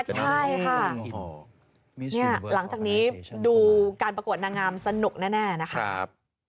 ใช่ค่ะเนี้ยหลังจากนี้ดูการประกวดนางามสนุกแน่แน่นะคะ